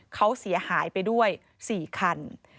เขาเสียหายไปด้วย๔คัน